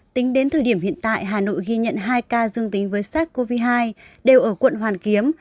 tính đến thời điểm hiện tại hà nội ghi nhận hai ca dương tính với sars cov hai đều ở quận hoàn kiếm